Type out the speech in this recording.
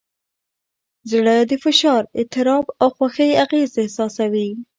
زړه د فشار، اضطراب، او خوښۍ اغېز احساسوي.